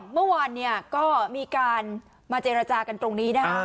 เมื่อวานเนี่ยก็มีการมาเจรจากันตรงนี้นะฮะ